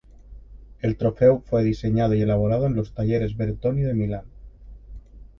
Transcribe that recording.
El trofeo fue diseñado y elaborado en los talleres Bertoni de Milán.